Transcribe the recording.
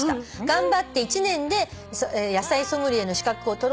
「頑張って１年で野菜ソムリエの資格を取ろうと思い